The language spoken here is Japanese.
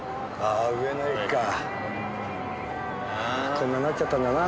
こんなんなっちゃったんだな。